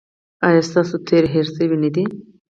ایا ستاسو تیره هیره شوې نه ده؟